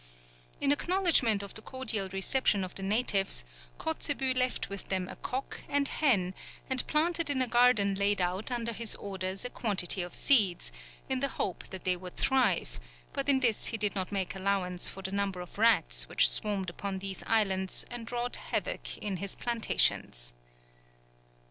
In acknowledgment of the cordial reception of the natives, Kotzebue left with them a cock and hen, and planted in a garden laid out under his orders a quantity of seeds, in the hope that they would thrive; but in this he did not make allowance for the number of rats which swarmed upon these islands and wrought havoc in his plantations.